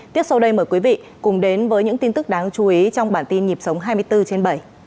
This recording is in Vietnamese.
tiếp sau đây mời quý vị cùng đến với những tin tức đáng chú ý trong bản tin nhịp sống hai mươi bốn trên bảy